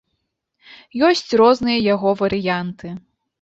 Ёсць розныя яго варыянты.